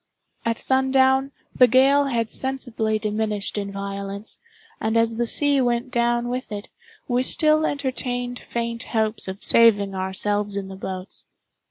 At sundown, the gale had sensibly diminished in violence, and as the sea went down with it, we still entertained faint hopes of saving ourselves in the boats.